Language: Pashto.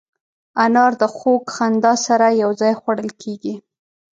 انار د خوږ خندا سره یو ځای خوړل کېږي.